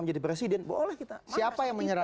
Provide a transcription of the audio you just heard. menjadi presiden boleh kita siapa yang menyerah